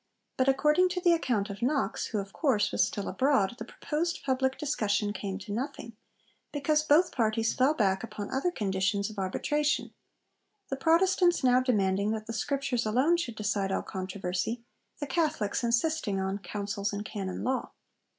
But, according to the account of Knox, who, of course, was still abroad, the proposed public discussion came to nothing, because both parties fell back upon other conditions of arbitration; the Protestants now demanding that the Scriptures alone should decide all controversy, the Catholics insisting on Councils and Canon Law.